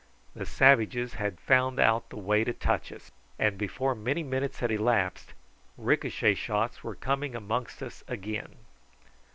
The savages had found out the way to touch us, and before many minutes had elapsed ricochet shots were coming amongst as again.